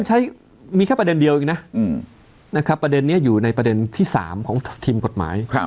คงจริงท่านใช้มีแค่ประเด็นเดียวอีกนะประเด็นนี้อยู่ในประเด็นที่๓ของทีมกฎหมาย